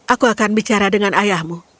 aku akan bicara dengan ayahmu